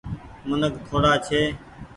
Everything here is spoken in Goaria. منک ٿوڙآ ڇي۔